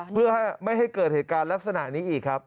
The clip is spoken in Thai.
เพื่อไม่ให้เกิดเหตุการณ์ลักษณะนี้อีกครับ